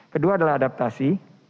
kedua adalah adaptasi